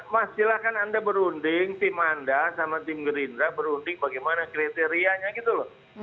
mas silahkan anda berunding tim anda sama tim gerindra berunding bagaimana kriterianya gitu loh